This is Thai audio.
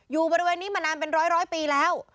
อยู่บริเวณนี้มานานเป็นร้อยปีแล้ว